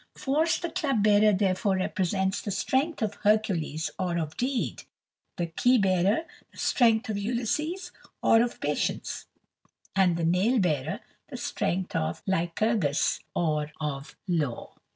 Fors the Club bearer therefore represents the strength of Hercules or of Deed; the Key bearer, the strength of Ulysses or of Patience; and the Nail bearer, the strength of Lycurgus or of Law.